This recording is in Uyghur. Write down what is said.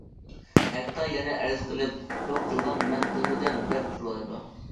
ھەتتا يەنە ئەرز قىلىپ، بۇ قىلغان مەن قىلمىدىم دەپ تۇرۇۋالىدۇ.